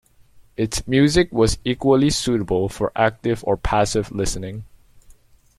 Its music was equally suitable for active or passive listening.